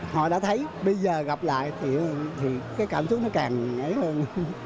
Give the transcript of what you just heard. họ đã thấy bây giờ gặp lại thì cái cảm xúc nó càng ngày hơn